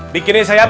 di kiri saya pisau